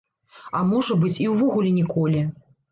А можа быць, і ўвогуле ніколі.